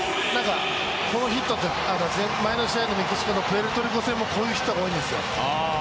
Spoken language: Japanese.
このヒットって、前の試合のメキシコのプエルトリコ戦もこういうのが多いんですよ。